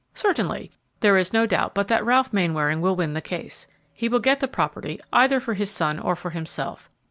"Certainly; there is no doubt but that Ralph Mainwaring will win the case. He will get the property either for his son or for himself.